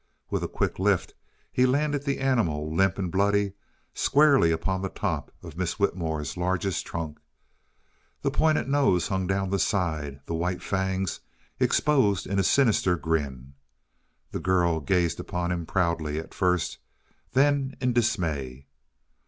With a quick lift he landed the animal, limp and bloody, squarely upon the top of Miss Whitmore's largest trunk. The pointed nose hung down the side, the white fangs exposed in a sinister grin. The girl gazed upon him proudly at first, then in dismay.